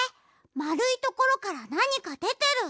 まるいところからなにかでてる。